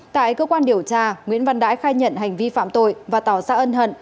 tại cơ quan điều tra nguyễn văn đãi khai nhận hành vi phạm tội và tỏ ra ân hận